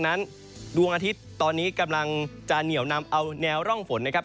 นั้นดวงอาทิตย์ตอนนี้กำลังจะเหนียวนำเอาแนวร่องฝนนะครับ